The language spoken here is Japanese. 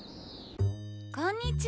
こんにちは！